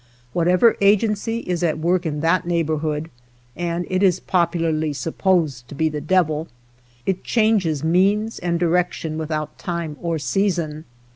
Whatever agency is at work in that neighborhood, and it is popularly supposed to be the devil, it changes means and direction without time or season.